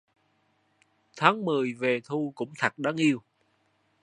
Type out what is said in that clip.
Tháng mười về thu cũng thật đáng yêu